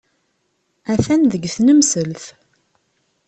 Atan deg tnemselt.